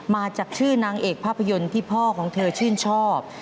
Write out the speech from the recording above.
มาจากชื่อนางเอกภาพยนตร์ที่พ่อของเธอชื่นชอบ